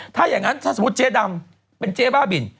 ถ้าอย่างนั้นถ้าสมมุติเจ๊ดำเป็นเจ๊บ้าบิน